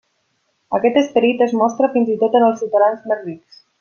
Aquest esperit es mostra fins i tot en els ciutadans més rics.